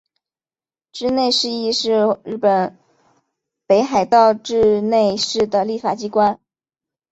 稚内市议会是日本北海道稚内市的立法机关。